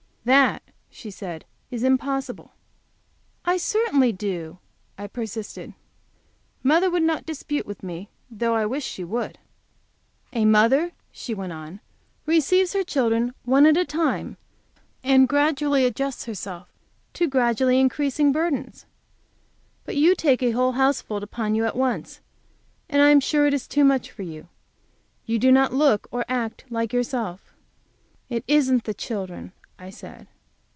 "That," she said, "is impossible." "I certainly do," I persisted. Mother would not dispute with me, though I wished she would. "A mother," she went on, "receives her children one at a time, and gradually adjusts herself to gradually increasing burdens. But you take a whole houseful upon you at once, and I am sure it is too much for you. You do not look or act like yourself." "It isn't the children," I said.